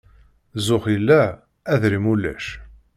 Zzux illa, adrim ulac.